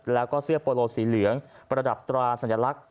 แล้วก็เสื้อโปโลสีเหลืองประดับตราสัญลักษณ